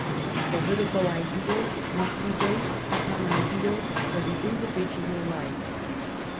Political ideals must be based upon ideals for the individual life.